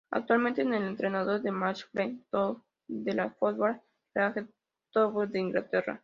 Actualmente es el entrenador del Macclesfield Town de la Football League Two de Inglaterra.